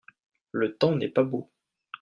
le temps n'est pas beau.